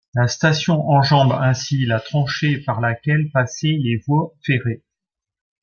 La station enjambe ainsi la tranchée par laquelle passaient les voies ferrées.